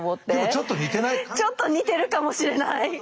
ちょっと似てるかもしれない。